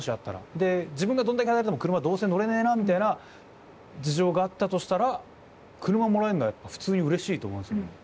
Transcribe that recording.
で自分がどんだけ働いても車どうせ乗れねえなみたいな事情があったとしたら車もらえるのは普通にうれしいと思うんすよね。